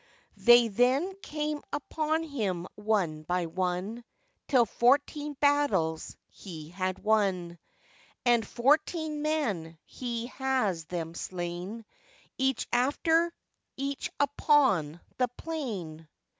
They came upon him one by one, Till fourteen battles he has won; And fourteen men he has them slain, Each after each upon the plain.